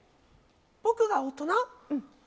僕が大人？